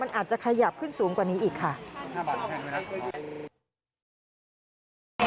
อาจจะขยับขึ้นสูงกว่านี้อีกค่ะ